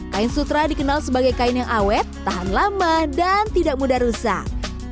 kain sutra dikenal sebagai kain yang awet tahan lama dan tidak mudah rusak